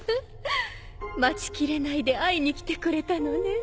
待ちきれないで会いに来てくれたのね。